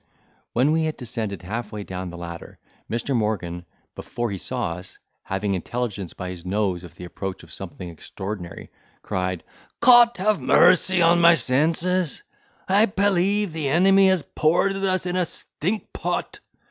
When we had descended half way down the ladder, Mr. Morgan, before he saw us, having intelligence by his nose of the approach of something extraordinary, cried, "Cot have mercy upon my senses! I pelieve the enemy has poarded us in a stinkpot!"